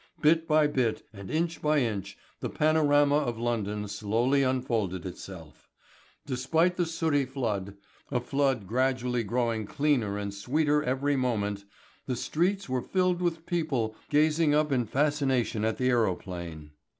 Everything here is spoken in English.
Bit by bit and inch by inch the panorama of London slowly unfolded itself. Despite the sooty flood a flood gradually growing cleaner and sweeter every moment the streets were filled with people gazing up in fascination at the aerophane.